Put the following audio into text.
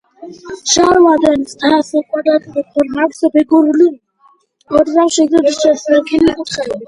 შადრევნის თასს კვადრატული ფორმა აქვს, ფიგურული ოდნავ შიგნით შეზნექილი კუთხეებით.